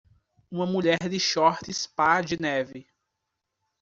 Uma mulher de shorts pá de neve.